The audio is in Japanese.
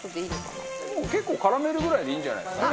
バカリズム：結構絡めるぐらいでいいんじゃないですかね。